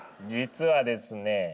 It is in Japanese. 実はですね